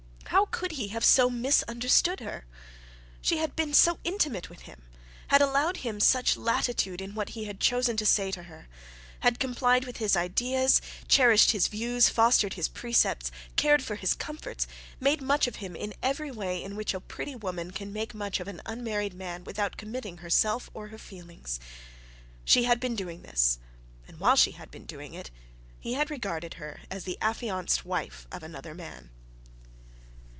How could he have so misunderstood her? She had been so intimate with him, had allowed him such latitude in what he had chosen to say to her, had complied with his ideas, cherished his views, fostered his precepts, cared for his comforts, made much of him in every way in which a pretty woman can make much of an unmarried man without committing herself or her feelings! She had been doing this, and while she had been doing it he had regarded her as the affianced wife of another man.